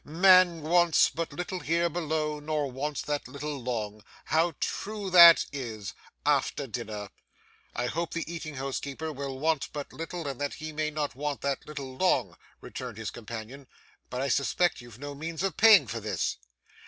"Man wants but little here below, nor wants that little long!" How true that is! after dinner.' 'I hope the eating house keeper will want but little and that he may not want that little long,' returned his companion; but I suspect you've no means of paying for this!